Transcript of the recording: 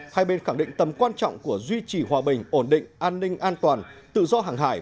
hai bên khẳng định tầm quan trọng của duy trì hòa bình ổn định an ninh an toàn tự do hàng hải